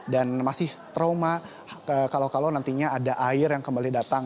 dan masih trauma kalau kalau nantinya ada air yang kembali datang